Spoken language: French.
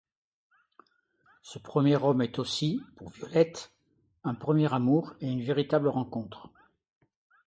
Ce premier homme est aussi, pour Violette, un premier amour, et une véritable rencontre.